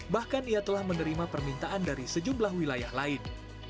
bahkan ia telah menerima permintaan dari sejumlah wilayah lain